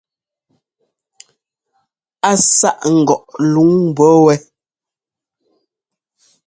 Á sâʼ ŋgɔʼ luŋ mbɔ̌ wɛ.